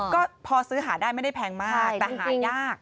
ก็พอซื้อหาได้ไม่ได้แพงมากแต่หายาก